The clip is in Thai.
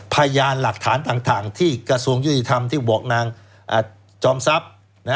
พยานหลักฐานต่างที่กระทรวงยุติธรรมที่บอกนางจอมทรัพย์